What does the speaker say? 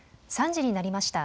３時になりました。